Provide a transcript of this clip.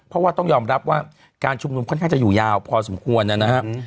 เพราะว่าต้องยอมรับว่าการชุมนุมค่อนข้างจะอยู่ยาวพอสมควรนะครับ